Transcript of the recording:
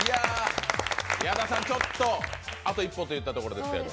矢田さん、ちょっと、あと一歩といったところですけど。